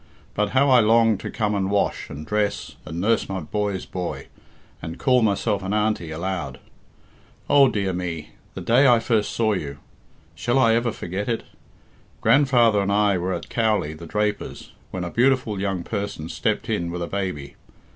But how I longed to come and wash, and dress, and nurse my boy's boy, and call myself an auntie aloud! Oh, dear me, the day I first saw you! Shall I ever forget it? Grandfather and I were at Cowley, the draper's, when a beautiful young person stepped in with a baby.